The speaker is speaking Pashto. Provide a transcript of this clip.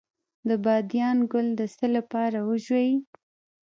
د بادیان ګل د څه لپاره وژويئ؟